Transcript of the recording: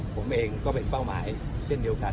ผมเองก็เป็นเป้าหมายเช่นเดียวกัน